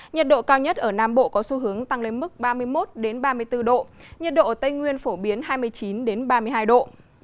nhiệt độ cao nhất ở nam bộ có xu hướng tăng lên mức ba mươi một ba mươi bốn độ nhiệt độ ở tây nguyên phổ biến hai mươi chín ba mươi hai độ